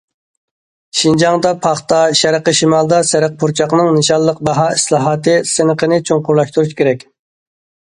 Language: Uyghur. شىنجاڭدا پاختا، شەرقىي شىمالدا سېرىق پۇرچاقنىڭ نىشانلىق باھا ئىسلاھاتى سىنىقىنى چوڭقۇرلاشتۇرۇش كېرەك.